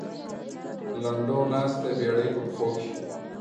لنډو ناست دی بېړۍ په پښو کې.